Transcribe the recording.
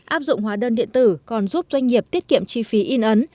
áp dụng hóa đơn điện tử còn giúp doanh nghiệp tiết kiệm chi phí in ấn